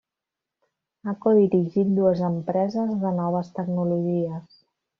Ha codirigit dues empreses de noves tecnologies.